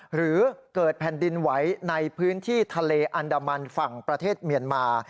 หรือเกิดแผ่นดินไหวในพื้นที่ทะเลอันดามันฝั่งประเทศเมียนมา